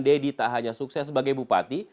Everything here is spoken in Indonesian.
deddy tak hanya sukses sebagai bupati